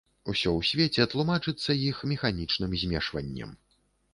Усё ў свеце тлумачыцца іх механічным змешваннем.